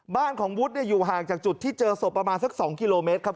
บ้านของวุฒิอยู่ห่างจากจุดที่เจอศพประมาณสัก๒กิโลเมตรครับ